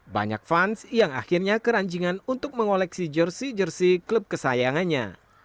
banyak fans yang akhirnya keranjingan untuk mengoleksi jersi jersi klub kesayangannya